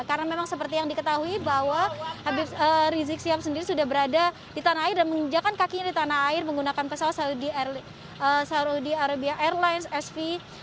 karena memang seperti yang diketahui bahwa habib rizik siap sendiri sudah berada di tanah air dan menginjakan kakinya di tanah air menggunakan pesawat saudi arabia airlines sv delapan ratus enam belas